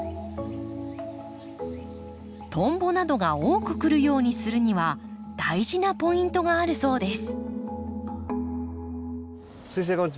トンボなどが多く来るようにするには大事なポイントがあるそうです。